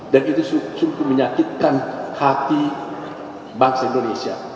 dan itu sungguh menyakitkan hati bangsa indonesia